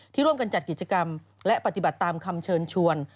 ร่วมกันจัดกิจกรรมและปฏิบัติตามคำเชิญชวน